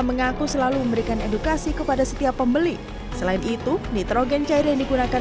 mengaku selalu memberikan edukasi kepada setiap pembeli selain itu nitrogen cair yang digunakan